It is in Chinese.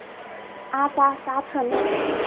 阿扎沙特内。